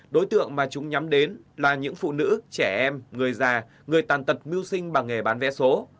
đối tượng mà chúng nhắm đến là những phụ nữ trẻ em người già người tàn tật mưu sinh bằng nghề bán vé số